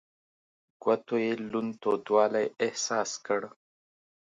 ګوتو يې لوند تودوالی احساس کړ.